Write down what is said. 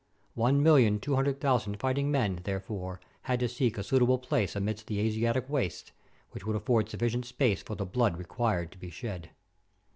One million two hundred thousand fighting men, therefore, had to seek a suitable place amidst the Asiatic wastes, which would afford sufficient space for the blood required to be shed.